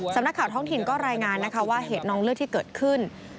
สำนักข่าวท้องถิ่นก็รายงานนะคะว่าเหตุน้องเลือดที่เกิดขึ้น